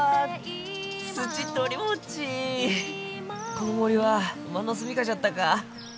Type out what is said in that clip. この森はおまんの住みかじゃったか。